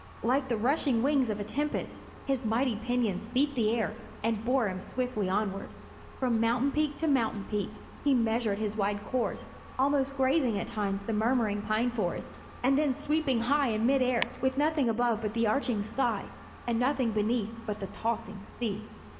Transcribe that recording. Like the rushing wings of a tempest, his mighty pinions beat the air and bore him swiftly onward. From mountain peak to mountain peak he measured his wide course, almost grazing at times the murmuring pine forests, and then sweeping high in mid air with nothing above but the arching sky, and nothing beneath but the tossing sea.